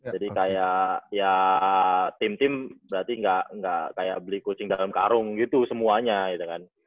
jadi kayak ya tim tim berarti nggak kayak beli kucing dalam karung gitu semuanya gitu kan